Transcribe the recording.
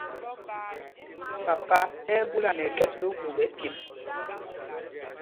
Papa ɛ́ ɛ́ ɓúla nɛ ɛkhɛs lɛ ogu ɓɛ pyemb.